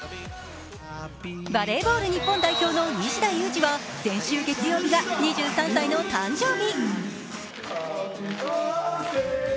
バレーボール日本代表の西田有志は先週月曜日は２３歳の誕生日。